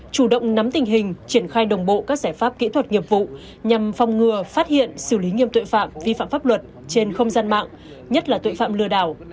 chủ động nắm tình hình triển khai đồng bộ các giải pháp kỹ thuật nghiệp vụ nhằm phòng ngừa phát hiện xử lý nghiêm tội phạm vi phạm pháp luật trên không gian mạng nhất là tội phạm lừa đảo